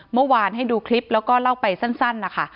เมื่อวานให้ดูคลิปแล้วก็เล่าไปสั้นนะคะ